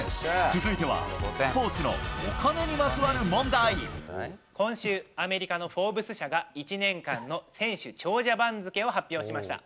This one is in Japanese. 続いては、スポーツのお金にまつ今週、アメリカのフォーブス社が１年間の選手長者番付を発表しました。